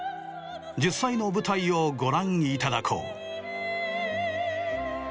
実際の舞台をご覧いただこう。